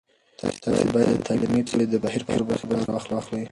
تاسې باید د تعلیمي پروسې د بهیر په هره برخه کې برخه واخلئ.